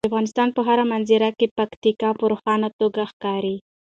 د افغانستان په هره منظره کې پکتیکا په روښانه توګه ښکاري.